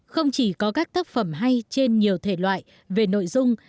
không chỉ có các tác phẩm hay trên nhiều thể loại về nội dung